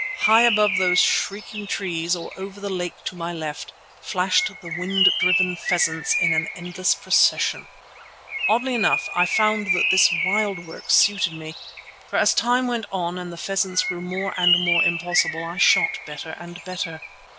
High above those shrieking trees, or over the lake to my left, flashed the wind driven pheasants in an endless procession. Oddly enough, I found that this wild work suited me, for as time went on and the pheasants grew more and more impossible, I shot better and better.